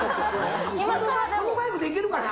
このマイクでいけるかな。